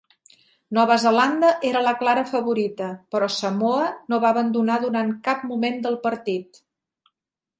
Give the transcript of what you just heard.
Nova Zelanda era la clara favorita, però Samoa no va abandonar durant cap moment del partit.